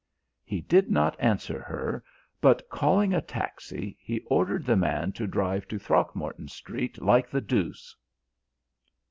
He did not answer her, but calling a taxi, he ordered the man to drive to Throgmorton Street like the deuce.